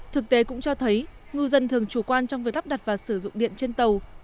thực tế cũng cho thấy ngư dân thường chủ quan trong việc lắp đặt và sử dụng điện trên tàu